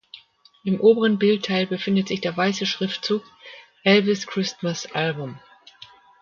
Im oberen Bildteil befindet sich der weiße Schriftzug "Elvis’ Christmas Album".